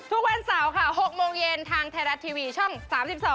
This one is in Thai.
ทุกวันเสาร์ค่ะ๖โมงเย็นทางไทยรัฐทีวีช่อง๓๒